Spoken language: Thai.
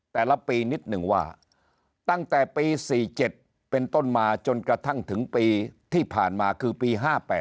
แต่ละปีนิดนึงว่าตั้งแต่ปี๔๗เป็นต้นมาจนกระทั่งถึงปีที่ผ่านมาคือปี๕๘